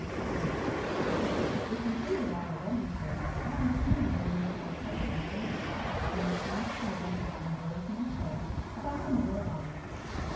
[p 313]XXVII We concluded our wedding tour rather sooner than we had at first intended, and returned to England and Willowsmere Court, about the middle of August.